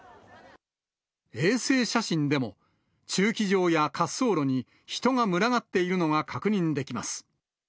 衛星写真でも、駐機場や滑走路に人が群がっているのが確認できます。